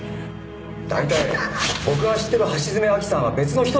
大体僕が知っている橋爪亜希さんは別の人だって。